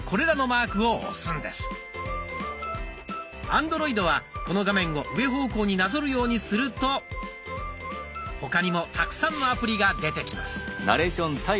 アンドロイドはこの画面を上方向になぞるようにすると他にもたくさんのアプリが出てきます。